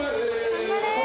頑張れ。